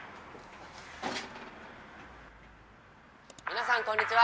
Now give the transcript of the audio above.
皆さんこんにちは。